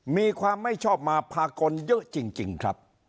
มีความไม่ชอบมาพากลเยอะจริงครับ